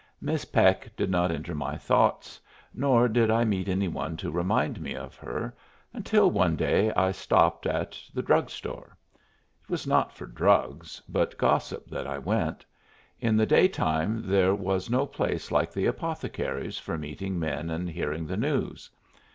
Miss Peck did not enter my thoughts, nor did I meet any one to remind me of her, until one day I stopped at the drug store. It was not for drugs, but gossip, that I went. In the daytime there was no place like the apothecary's for meeting men and hearing the news.